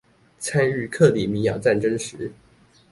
參與克里米亞戰爭時